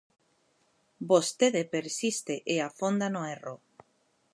Vostede persiste e afonda no erro.